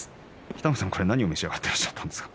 北の富士さん、これは何を召し上がっていらっしゃったんですか？